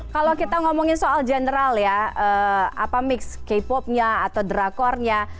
kalau kita ngomongin soal general ya apa mix k popnya atau drakornya